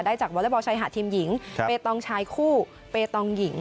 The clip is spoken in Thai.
จากวอเล็กบอลชายหาดทีมหญิงเบตองชายคู่เปตองหญิง